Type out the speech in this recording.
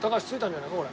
これ。